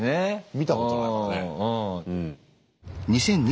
見たことないからね。